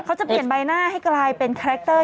เขาจะเปลี่ยนใบหน้าให้กลายเป็นคาแรคเตอร์